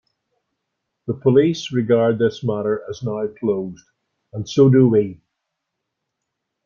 The police regard this matter as now closed, and so do we.